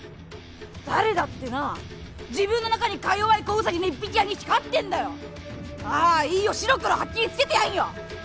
誰だってなあ自分の中にかよわい子ウサギの一匹や二匹飼ってんだよああいいよ白黒はっきりつけてやんよ！